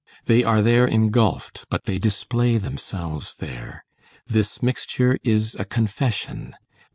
They are there engulfed, but they display themselves there. This mixture is a confession.